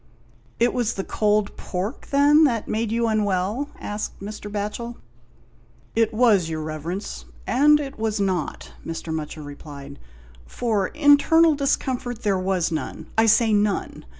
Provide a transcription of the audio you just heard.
" It was the cold pork, then, that made you unwell?" asked Mr. Batchel. "It was, your Eeverence, and it was not," Mr. Mutcher replied, "for internal discomfort there was none — I say none.